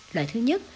loại thứ nhất